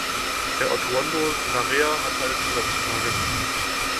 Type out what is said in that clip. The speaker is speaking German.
Herr Ortuondo Larrea hat eine Zusatzfrage.